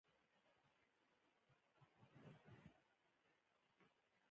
مکنیه استعاره هغه ده، چي مستعارله پکښي ذکر يي.